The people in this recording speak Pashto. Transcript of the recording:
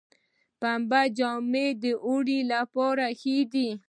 پنبې جامې د اوړي لپاره ښې دي